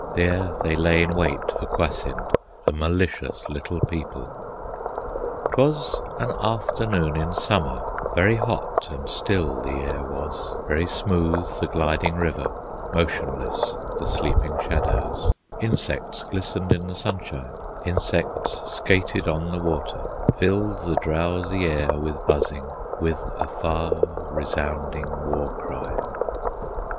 There they lay in wait for Kwasind, The malicious Little People. 'T was an afternoon in Summer; Very hot and still the air was, Very smooth the gliding river, Motionless the sleeping shadows: Insects glistened in the sunshine, Insects skated on the water, Filled the drowsy air with buzzing, With a far resounding war cry.